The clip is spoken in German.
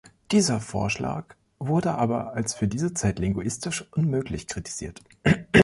Dieser Vorschlag wurde aber als für diese Zeit „linguistisch unmöglich“ kritisiert.